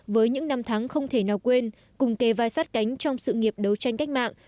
với những năm tháng không thể nào quên cùng kề vai sát cánh trong sự nghiệp đấu tranh cách mạng